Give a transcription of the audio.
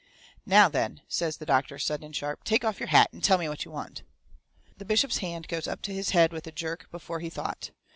"Now, then," says the doctor, sudden and sharp, "take off your hat and tell me what you want." The bishop's hand goes up to his head with a jerk before he thought.